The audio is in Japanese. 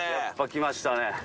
きましたね。